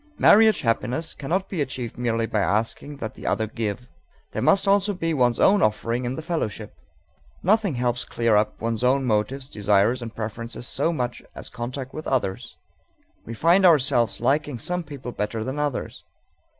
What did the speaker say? Marriage happiness cannot be achieved merely by asking that the other give. There must also be one's own offering in the fellowship. Nothing helps clear up one's own motives, desires, and preferences so much as contact with others. We find ourselves liking some people better than others.